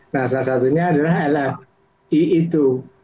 nah salah satunya adalah lsi itu